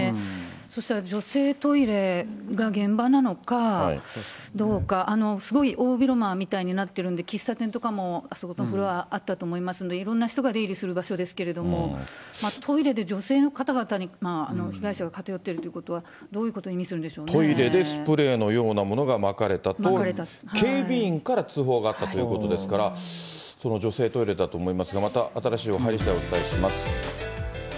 そしたら、女性トイレが現場なのかどうか、すごい大広間みたいになってるんで、喫茶店とかもあそこのフロアにあったと思いますので、いろんな人が出入りする場所ですけれども、トイレで女性の方々に被害者が偏っているということは、どういうトイレでスプレーのようなものがまかれたと、警備員から通報があったということですから、曇りで干すとクサくなるかなぁ。